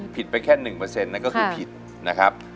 ผิดไปแค่๑เปอร์เซ็นต์นั่นก็คือผิดนะครับ